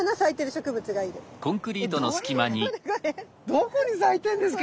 どこに咲いてんですか？